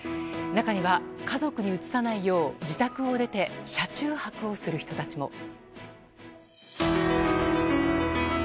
中には、家族にうつさないよう自宅を出て車中泊をする人たちも。